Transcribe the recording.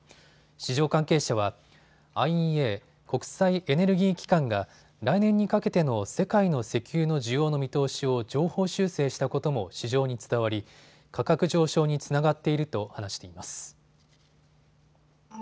市場関係者は、ＩＥＡ・国際エネルギー機関が来年にかけての世界の石油の需要の見通しを上方修正したことも市場に伝わり、価格上昇につながっていると話しています。